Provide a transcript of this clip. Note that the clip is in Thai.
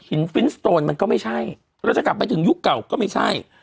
ฟินสโตนมันก็ไม่ใช่เราจะกลับไปถึงยุคเก่าก็ไม่ใช่